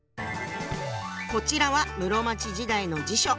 こちらは室町時代の辞書。